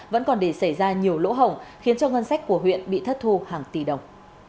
vẫn còn để xảy ra nhiều lỗ hổng khiến cho ngân sách của huyện bị thất thu hàng tỷ đồng